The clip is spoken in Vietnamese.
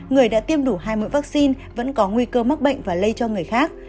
người đã tiêm đủ hai mũi vaccine vẫn có nguy cơ mắc bệnh và lây cho người khác